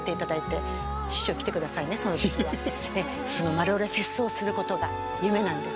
マルオレフェスをすることが夢なんです。